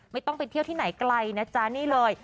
ไม่ต้องไปเที่ยวที่ไหนไกลนะจ๊ะนี่เลย